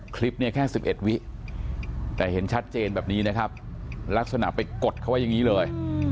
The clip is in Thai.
คลิปนี้แค่๑๑วิแต่เห็นชัดเจนแบบนี้ลักษณะไปกดเขาอย่างนี้เลย